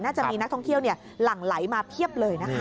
จะมีนักท่องเที่ยวหลั่งไหลมาเพียบเลยนะคะ